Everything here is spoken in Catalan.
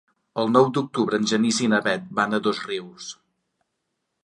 El nou d'octubre en Genís i na Bet van a Dosrius.